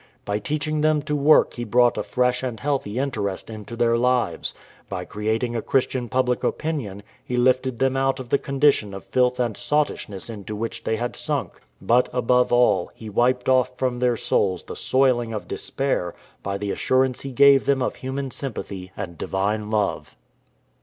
By teaching them to work he brought a fresh and healthy interest into their lives. By creating a Christian public opinion he lifted them out of the con dition of filth and sottishness into which they had sunk. But, above all, he wiped off from their souls " the soiling of despair" by the assurance he gave them of human sympathy and Divine love.